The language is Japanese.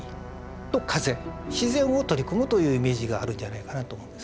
自然を取り込むというイメージがあるんじゃないかなと思うんです。